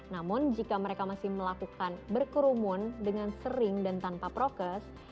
namun jika mereka masih melakukan berkerumun dengan sering dan tanpa prokes